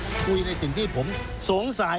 คุยในสิ่งที่ผมสงสัย